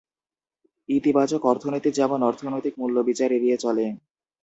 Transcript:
ইতিবাচক অর্থনীতি যেমন অর্থনৈতিক মূল্য বিচার এড়িয়ে চলে।